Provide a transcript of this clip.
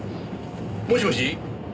もしもし？